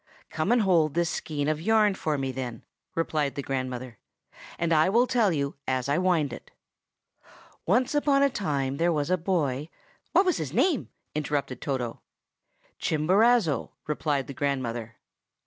"Come and hold this skein of yarn for me, then," replied the grandmother, "and I will tell you as I wind it. "Once upon a time there was a boy—" "What was his name?" interrupted Toto. "Chimborazo," replied the grandmother.